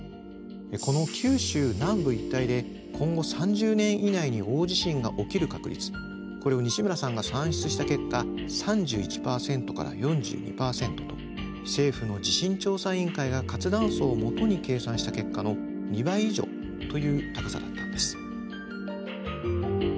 この九州南部一帯で今後３０年以内に大地震が起きる確率これを西村さんが算出した結果３１％から４２％と政府の地震調査委員会が活断層をもとに計算した結果の２倍以上という高さだったんです。